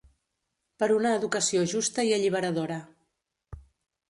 Per una educació justa i alliberadora.